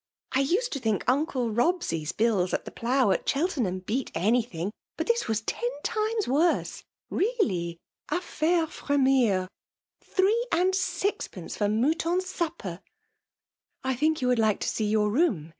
I ttsed to think uncle Robsey's biUs at the Plough, at Cheltenham, beat anything' ; but this was ten times worse, rcaiiy a fmre fremir! Three and sixpence for Mouton's supper !" *'I think you said you would like to see your room